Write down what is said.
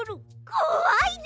こわいね！